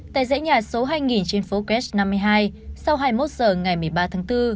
tại dãy nhà số hai nghìn trên phố ket năm mươi hai sau hai mươi một h ngày một mươi ba tháng bốn